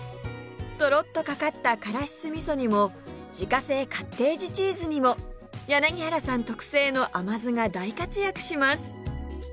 とろっとかかった辛子酢味噌にも自家製カッテージチーズにも柳原さん特製の甘酢が大活躍します